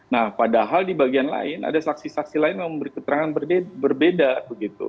nah padahal di bagian lain ada saksi saksi lain yang memberi keterangan berbeda begitu